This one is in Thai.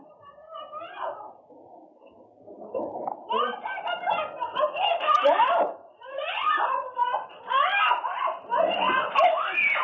ที่ไหนแกมีร้อง